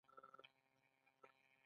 تکنالوژي ژوند آسانه کوي.